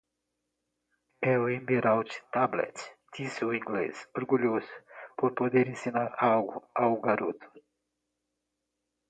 "É o Emerald Tablet?", disse o inglês? orgulhoso por poder ensinar algo ao garoto.